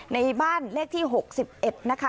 ในบ้านเลขที่๖๑นะคะ